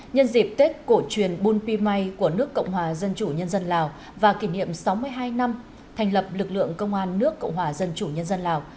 nhân dịp tết cổ truyền bung pi may của nước cộng hòa dân chủ nhân dân lào và kỷ niệm sáu mươi hai năm thành lập lực lượng công an nước cộng hòa dân chủ nhân dân lào